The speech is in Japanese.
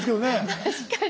確かに！